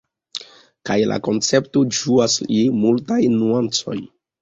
Kaj la koncepto ĝuas je multaj nuancoj.